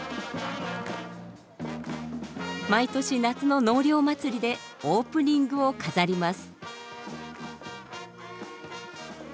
毎年夏の「納涼まつり」でオープニングを飾ります。